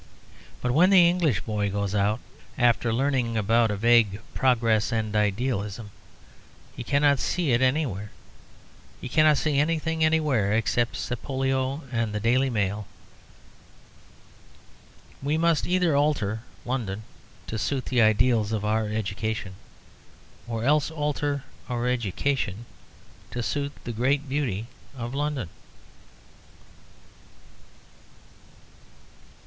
But when the English boy goes out, after learning about a vague progress and idealism, he cannot see it anywhere. He cannot see anything anywhere, except Sapolio and the Daily Mail. We must either alter London to suit the ideals of our education, or else alter our education to suit the great beauty of London.